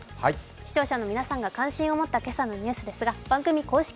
視聴者の皆さんが関心を持った今朝のニュースですが番組公式